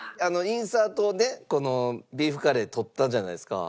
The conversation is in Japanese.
インサートをねこのビーフカレー撮ったじゃないですか。